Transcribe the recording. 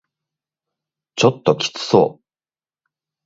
ちょっときつそう